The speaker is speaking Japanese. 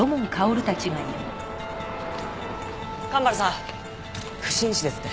蒲原さん不審死ですって？